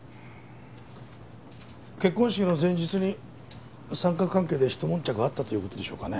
結婚式の前日に三角関係で一悶着あったという事でしょうかね？